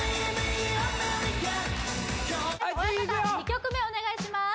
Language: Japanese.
２曲目お願いします